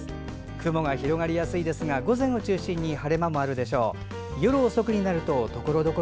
雲が広がりやすいですが午前を中心に晴れ間もあるでしょう。